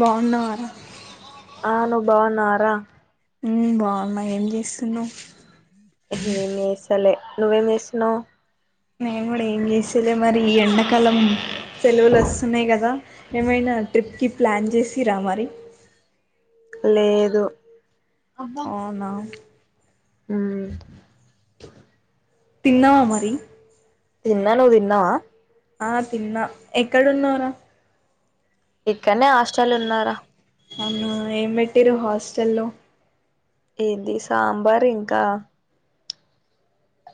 బాగున్న వారా బావున్నారా ఉమ్ బాగున్నా ఏం చేస్తున్నావు ఏమి చేస్తలే నువ్వేం చేస్తున్నావ్ నేం గూడ ఏంజేస్త లే మరిఈ ఎండకాలం సెలవులు వస్తున్నాయి కదా ఏమైనా ట్రిప్కి ప్లాన్ చేసి రామరి లేదు అవునా ఉమ్ తిన్నావా మరి తిన్నా నువ్ తిన్నావా ఆ తిన్న ఎక్కడున్నావ్రా ఇక్కన్నే హస్టలు ఉన్నారా అవునా ఏం పెట్టిర్రు హాస్టల్లో ఏంది సాంబార్ ఇంకా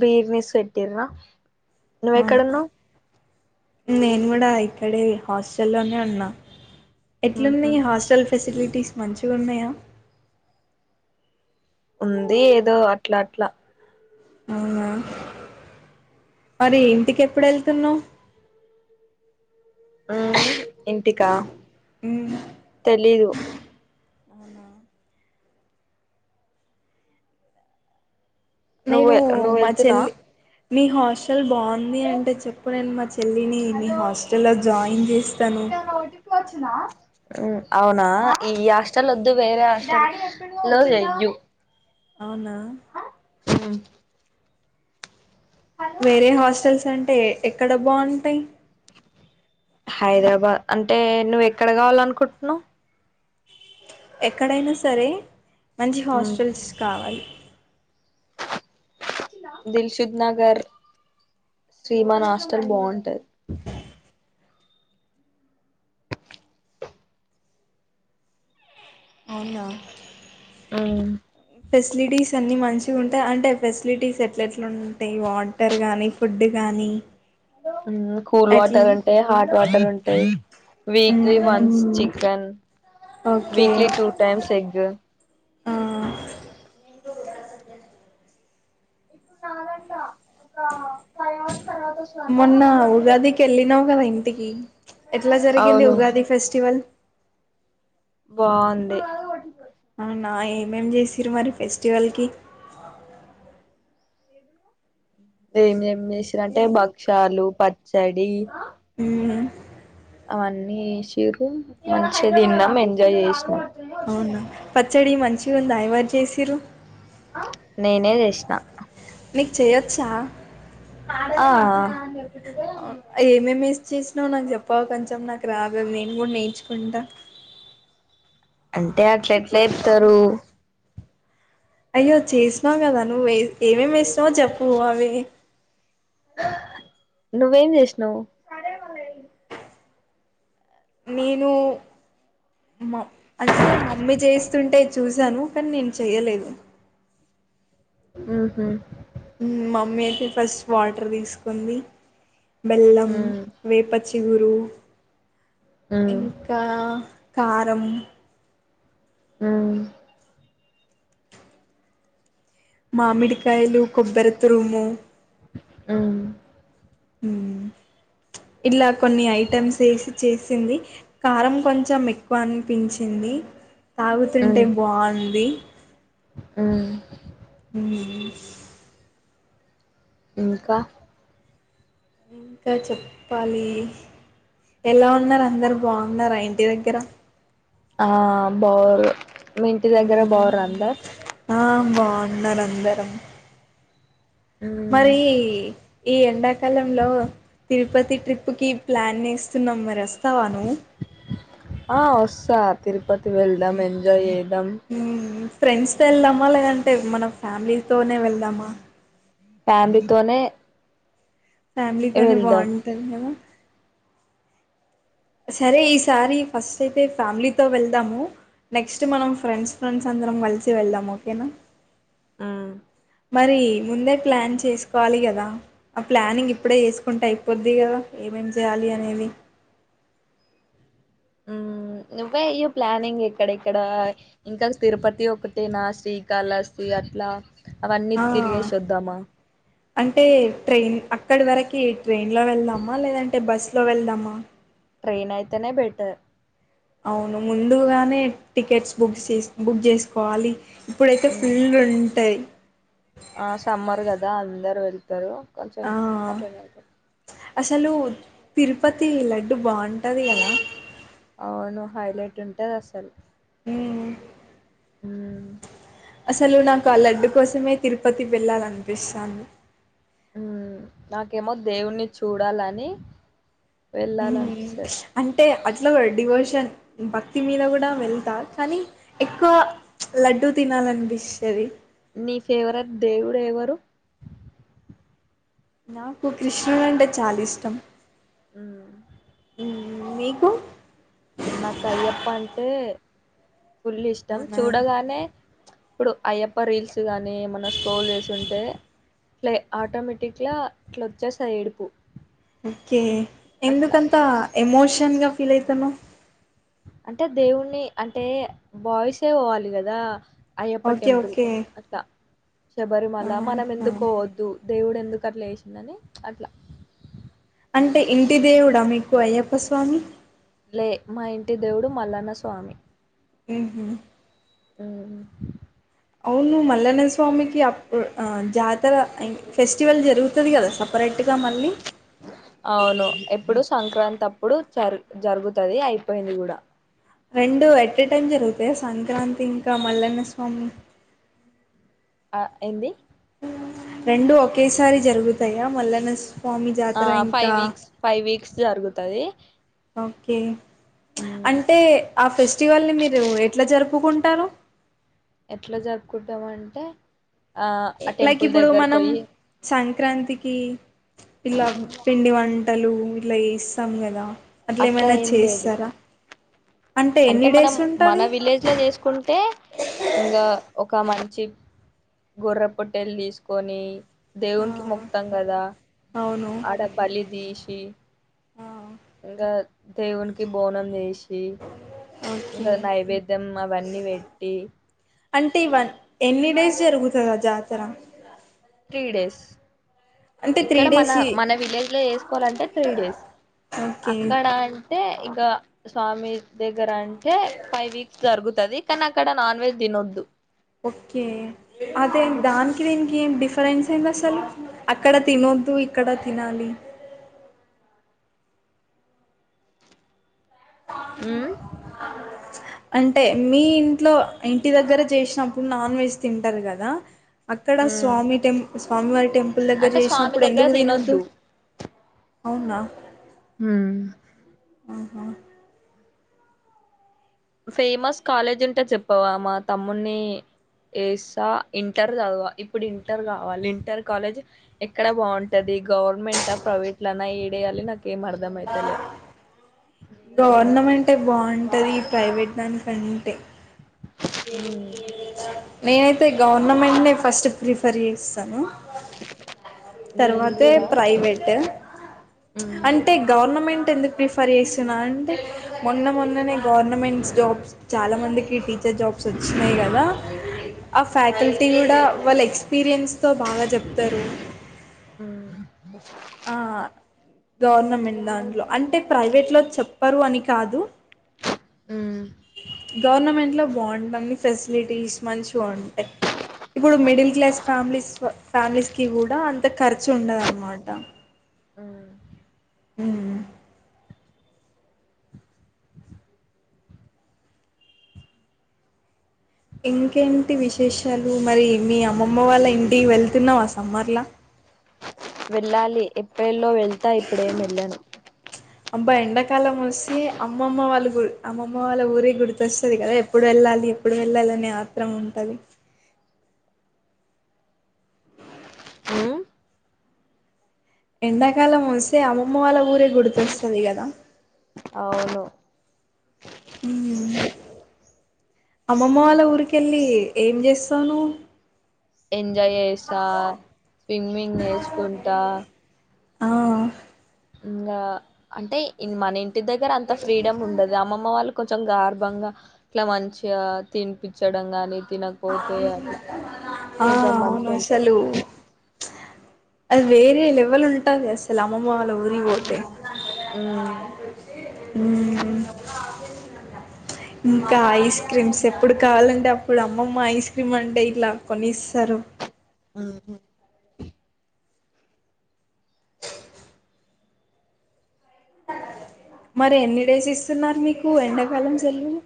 బీర్నస్ పెట్టిన్ర అవును నువ్వెక్కడన్నావు నేను కూడా ఇక్కడ హాస్టల్లోనే ఉన్నా ఎట్లుంది ఊహూ హాస్టల్ ఫు ఫెసిలిటీస్ మంచిగా ఉన్నాయా ఉంది ఏదో అట్లా అట్లా అవునా మరి ఇంటికి ఎప్పుడు వెళ్తున్నావ్ ఆ ఇంటికా ఉమ్ తెలీదు అవునా నువ్వు నేను నువ్వు మా వెళ్తున్నా చెల్లి మీ హస్ట్ ల్ బావుంది అంటే చెప్పు నేను మ చెల్లిని మీ హాస్టల్లో జాయిన్ చేస్తను అవునా ఈ హాస్టలో వద్దు వేరే హాస్టలో చెయ్యు అవునా మ్మ్ వేరే హాస్టల్స్ అంటే ఏ ఎక్కడ బాగుంటాయి హైదరాబాద్ అంటే నువ్ ఎక్కడ కావాలనుకుంటున్నావ్ ఎక్కడైనా సరే మంచి హాస్టల్స్ కావాలి దిల్శుద్ నగర్ శ్రీమన్ హస్టల్ బాగుంటది అవునా ఆ ఫెసిలిటీస్ అన్ని మంచిగా ఉంటాయి అంటే ఫెసిలిటీస్ ఎట్ల ఎట్లా ఉంటాయి వాటర్ గానీ ఫుడ్ గానీ కూల్ వాటర్ ఉంటాయ్ హాట్ వాటర్ ఉంటాయ్ వీక్లీ మ్మ్ వన్స్ పెన్ okay weekly two times egg ఆ ఇప్పుడు నాదంట ఒక ఫైవ్ అవర్స్ తర్వాత వస్తుందంట మొన్న అప్పుడు అంటే ఉగాది కి వెళ్ళినావు కదా ఇన్ టికి ఎట్లా జరిగింది అవును ఉగాది ఫెస్టివల్ బాగుంది ఆ నాయి ఏమేమ్ చేస్సిర్రు మరి ఫెస్టివల్కి ఏం ఏం చేసిరంటే భక్షాలు పచ్చడి మ్మ్ హు అవన్నీ చేశిరు మంచిగా తిన్నాం ఎంజాయ్ చేసినాం అవునా పచ్చడి మంచి చిగుంద ఎవ్వరు చేస్సిర్రు నేనే చేసినా మీరు చెయొచ్చా ఆ ఏమేమేం ఏసీ చేసి ను్వు నాకు చెప్పావు కొంచెం నాకు రావదు నేను కూడా నేర్చుకుంటా అంటే అట్ల ఎట్లా ఇతారు అయ్యో చేసినావు కదా నువ్వు ఏమేమి వేసినావో చెప్పు అవి నువ్వేం చేసినావు నేను మా అంటే మమ్మీ చేస్తుంటే చూశాను కానీ నేను చెయ్యలేదు హుహు మమ్మీ అయితే ఫస్ట్ వాటర్ తీసుకుంది. బెల్లం, ఉమ్ వేప చిగురు డు ఉమ్ ఇంకా కారం ఆ మామిడికాయలు కొబ్బరి తురుము ఆ అ ఇలా కొన్ని ఐటెమ్స్ వేసి చేసింది కారం కొంచెం ఎక్కువ అనిపించింది. తాగుతుంటే బాంది హు హు ఇంకా ఇంకా చెప్పాలి ఎలా ఉన్నారు అందరు బాగున్నారా ఇంటి దగ్గర. ఆ బో మీ ఇంటి దగ్గర బోరు అంద ఉన్నారు అందరం ఉమ్ మరీ ఈ ఎండాకాలంలో తిరుపతి ట్రిప్కి ప్లాన్ వేస్తునము మరి వస్తావా నువ్వు. ఆ వస్తా తిరుపతి వెళ్దాం ఎంజాయ్ చే దం ఫ్రెండ్స్ తో వెళ్దామా లేదంటే మన ఫ్యామిలీ తోనే వెళ్దామా. ఫ్యామిలీతోనే ఫ్యామిలీతోనే వెళ్దాం బాగుంటంది కదా సరే ఈసారి ఫస్ట్ అయితే ఫ్యామిలీతో వెళ్దాము నెక్స్ట్ మనం ఫ్రెండ్స్ ఫ్రెండ్స్ అందరం కలిసి వెళ్దాము ఓకేనా. ఆ మరి ముందే ప్లాన్ చేసుకోవాలి కదా ఆ ప్లానింగ్ ఇప్పుడే చేసుకుంటే అయిపోద్ది కదా ఏమేం చేయాలి అనేది నువ్వే వేయి ప్లానింగ్ ఎక్కడెక్కడ ఇంకా తిరుపతి ఒకటేనా శ్శ్రీకాళహస్తి అట్లా అవన్నీ ఆ తిరిగే వద్దామా అంటే ట్రైన్ అక్కడి వరకి ట్రైన్ లో వెళ్దామా లేదంటే బస్ లో వెళ్దామా ట్రైన్ ఐతే నే బెటర్ అవును ముందుగానే టికెట్స్ బుక్ చే బుక్ చేసుకోవాలి ఇప్పుడైతే ఉమ్ ఫుల్లుఉంటది ఆ సమ్మర్ కదా దా అందరు వెళ్తారు కొంచం ఆ అట్లనే అసలు తిరుపతి లడ్డు బావుంటది కదా అవును హైలైట్ ఉంటది అసలు హ్మ్ మ్మ్ అసలు నాకు ఆ లడ్డు కోసమే తిరుపతి వెళ్ళాలనిపిస్తాను ఉ నాకేమో దేవుణ్ణి చూడాలని వెళ్ళాలనిపిస్తాది టె అట్లు డివోషన్ భక్తి మీద కూడా వెళ్తారు కానీ ఎక్కువ లడ్డూ నీ ఫేవరెట్ దేవుడు ఎవరు నాకు కృష్ణుడు అంటే చాలా ఇష్టం మ్మ్ నీకు నాకు అయ్యప్ప అంటే ఫుల్ ఇష్టం అవునా చూడగానే ఇప్పుడు అయ్యప్ప రీల్స్ కానీ ఏమన స్క్రోల్ చేస్తుంటే ఇట్లా ఆటోమేటిక్గా ఇట్లా వచ్చేస్తాయి ఏడుపు ఓకే అట్లా ఎందుకంత ఎమోష్ న్ గా ఫీల్ అయితన్నవ్ అంటే దేవుణ్ణి అంటే బాయసే పోవాలి కదా అయ్యప్ప ఓకే టెంపుల్ ఓకే అట్లా శబరిమల ఆహా మనం ఎందుకు పోవద్దు దేవుడు ఎందు ఎందుకట్లా వేసిందని అట్లా అంటే ఇంటి దేవుడా మీకు అయ్యప్ప స్వామి మా ఇంటి దేవుడు మల్లన్న స్వామి ఊహూ మ్మ్ అవును మల్లన్న స్వామికి అప్పుడు జాతర ఫెస్టివల్ జరుగుతది కదా సపరేట్గా మళ్ళీ అవును ఎప్పుడు సంక్రాంతి అప్పుడు జరు జరుగుతుది అయిపోయింది కూడా రెండు ఎట్ ఎ టైమ్ జరుగుతాయా సంక్రాంతి ఇంకా మల్లన్న స్వామి ఆ ఏంది రెండూ ఒకేసారి జరుగుతాయా మల్లన్న స్వామి ఆ జాతర ఫైవ్ ఇంకా వీక్స్ ఫైవ్ వీక్స్ జరుగుతది కే మ్మ్ అంటే ఆ ఫెస్టివల్ ని మీరు ఎట్లా జరుపుకుంటారు కుంటం అంటే ఆ ఆ లైక్ టెంపుల్ ఇప్పుడు దగ్గరకు మనం పోయి సం క్రాంతికి ఇలా పిండి వంటలు లేలైస కదా అట్లే అట్లా ఏమైనా ఏం లేదు చేయిస్తారా అంటే మనం మన విలేజ్ లో చేసుకుంటే ఇంకా ఒక మంచి గుర్ర పొట్టేలు తీసుకొని దేవునికి ఆ ముక్తం కదా అవును ఆడ బలి దీష్ ఏ ఆ ఇంకా దేవునికి బోనం చేసి ఓకే ఇంకా నైవేద్యం అవన్నీ పెట్టి అంటే ఇవన్ ఎన్ని డేస్ జరుగుతదా జాతర త్రీ డేస్ అంటే త్రీ ఇక్కడ మన డేస్ ఈ మన విలేజ్ లో చేసుకోవాలంటే త్రీ డేస్ ఓకే అక్కడ అంటే స్వామి ద్ దగ్గర అంటే ఫైవ్ వీక్స్ జరుగుతది అక్క నాక్కడ నాన్ వెజ్ తినోద్దు ఓకే అదే దానికి దీనికి ఏం డిఫరెన్స్ ఏంది అసలు అక్కడ తినొద్దు ఇక్కడ తినాలి. ఉమ్ అంటే మీ ఇంట్లో ఇంటి దగ్గర చేసినప్పుడు నాన్ వెజ్ తింటారు కదా అక్కడ స్వామి టెం స్వామివారిక్ టెంపుల్ దగ్గర అంటే స్వామి చేసినప్పుడు దగ్గర ఎందుకు తినద్దు తినొద్దు అవునా ఆహా ఫేమస్ కాలేజ్ ఉంటే చెప్పవా, మా తమ్ముని ఎస్తా ఇంటర్ చదవా, ఇప్పుడు ఇంటర్ కావాలి ఇంటర్ కాలేజ్ ఎక్కడ బాగుంటది గవర్నమెంట్ ప్రైవేట్ నా ఏడేయాలి నాక్ గవర్నమెంట్ అంటే బాగుంటుంది ఈ ప్రైవేట్ దానికంటే [unintelligible] నేనైతే గవర్నమెంట్నే ఫస్ట్ ప్రిఫర్ చేస్తాను నేను తర్వాతే కూడా ప్రైవేట్ ఉమ్ అంటే గవర్నమెంట్ ఎందుకు ప్రిఫర్ చేస్తున్నా అంటే మొన్న మొన్ననే గవర్నమెంట్ జాబ్స్ చాలా మందికి టీ జాబ్స్ వచ్చినాయి కదా ఆ ఫ్యాకల్టీ కూడా వాళ్ళ ఎక్స్పీరియన్స్తో బాగా చెప్తారు. ఉమ్ ఆ గవర్నమెంట్ దాంట్లో అంటే ప్రైవేట్ లో చెప్పరు అని కాదు ఉమ్ గవర్నమెంట్లో బాగుంటంది ఫెసిలిటీస్ మంచిగా ఉంటాయి ఇప్పుడు మిడిల్ క్లాస్ ఫ్యామిలీస్ ఫ్యామిలీస్ కి గూడా త ఖర్చుండదన్నమాట ఉ ఉ ఇంకేంటి విశేషాలు మరీ మీ అమ్మమ్మ వాళ్ళ ఇంటికి వెళ్తున్నవా సమ్మర్ ల వెళ్లాలి ఏప్రిల్ లో వెళ్తా ఇప్పుడు ఏం వెళ్ళను. అబ్బా ఎండాకాలం వస్తే అమ్మమ్మ వాళ్ళ గుల్ అమ్మమ్మ వాళ్ళ ఊరే గుర్తు వస్తది గదా ఎప్పుడు వెళ్ళాలి ఎప్పుడు వెళ్ళాలి అనే ఆత్రం ఉంటది ఎండాకాలం వస్తే అమ్మమ్మ వాళ్ళ ఊరే గుర్తువస్తాది గదా! అవును మ్ అమ్మమ్మ వాళ్ళ ఊరికెళ్ళి ఏం చేస్తావ్ నవ్వు ఎంజాయ్ చేస్తా స్విమ్మింగ్ నేర్చుకుంటా ఆ ఇంగా అంటే ఇన్ మనిం టి దగ్గర అంత ఫీడమ్ ఉండదు అమ్మమ్మ వాళ్ళు కొంచం గార్భంగా ఇట్లా మంచిగా తిన్పిచ్చడం గాని తినకపోతే అట్లా ఆ కొంచెం అవును మంచిగా ఉంటది అసలు అది వేరే లెవల్ ఉన్ ఉంటది అసలు అమ్మమమ్ వాళ్ళ ఊరికి వోతే ఉమ్ ఉ ఇంకా ఐస్ క్రీమ్స్ ఎప్పుడు కావాలంటే అప్పుడు అమ్మమ్మ ఐస్ క్రీమ్ అంటే ఇట్ల కొనిస్తారు. ఉహు మరి ఎన్ని డేస్ ఇస్తున్నారు మీకు ఎండాకాలం సెలువులు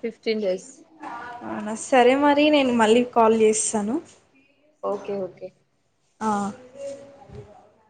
ఫిఫ్టీన్ డేస్ అవునా సరే మరి నేను మళ్ళీ కాల్ చేస్తాను. ఓకే ఓకే ఆ